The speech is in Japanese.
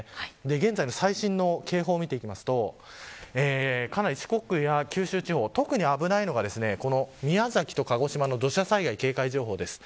現在の最新の警報を見ていくと四国や九州地方特に危ないのが宮崎と鹿児島の土砂災害警戒情報です。